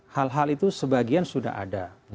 hal hal itu sebagian sudah ada